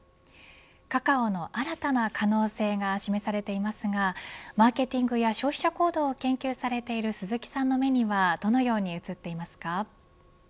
カカオな新たな可能性が示されていますがマーケティングや消費者行動を研究されている鈴木さんの目にはどのように映っていますか。